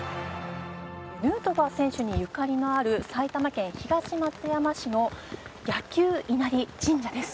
ヌートバー選手にゆかりのある埼玉県東松山市の箭弓稲荷神社です。